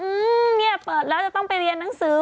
อืมเนี่ยเปิดแล้วจะต้องไปเรียนหนังสือ